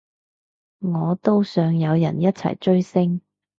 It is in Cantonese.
我都想有人一齊追星